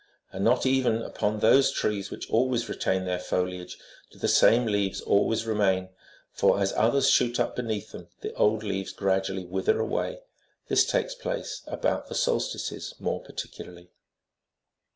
And not even upon those trees which always retain their foliage do the same leaves always remain, for as others shoot up beneath them, the old leaves gradually wither away : this takes place about the solstices more particularly.